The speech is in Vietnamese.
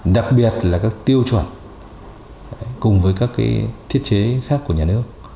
đặc biệt là các tiêu chuẩn cùng với các thiết chế khác của nhà nước